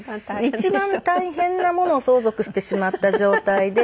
一番大変なものを相続してしまった状態で。